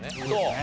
そう。